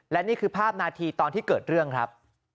และนี่คือภาพนาทีตอนที่เกิดเรื่องครับ